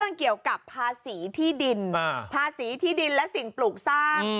มันเกี่ยวกับภาษีที่ดินภาษีที่ดินและสิ่งปลูกสร้าง